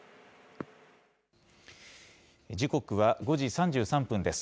時刻は５時３３分です。